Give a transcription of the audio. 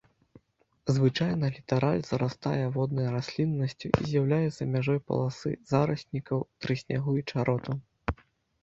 Звычайна літараль зарастае воднай расліннасцю і з'яўляецца мяжой паласы зараснікаў трыснягу і чароту.